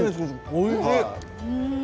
おいしい。